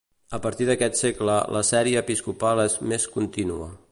A partir d'aquest segle la sèrie episcopal és més contínua.